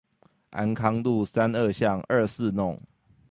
安康路三二巷二四弄